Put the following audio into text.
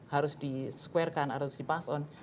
harus di square kan harus di pass on